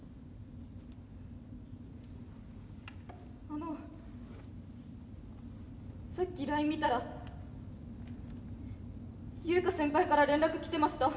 あのさっきライン見たらユウカ先輩から連絡来てました。